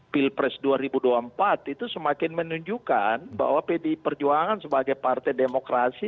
pilpres dua ribu dua puluh empat itu semakin menunjukkan bahwa pdi perjuangan sebagai partai demokrasi